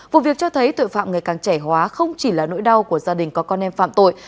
vụ việc cho thấy tội phạm ngày càng trẻ hóa không chỉ là nỗi đau của gia đình có con em phạm tội